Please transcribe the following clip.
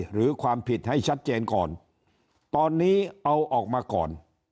หรือความผิดให้ชัดเจนก่อนตอนนี้เอาออกมาก่อน